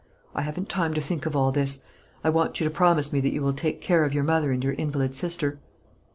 I haven't time to think of all this. I want you to promise me that you will take care of your mother and your invalid sister."